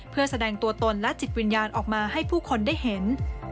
เพื่อแสดงตัวตนและจิตวิญญาณออกมาให้ผู้คนได้เห็น